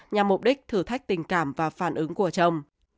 nhằm mục đích thử thách tình cảm và phản ứng của chồng